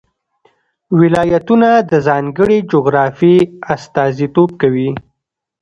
ولایتونه د ځانګړې جغرافیې استازیتوب کوي.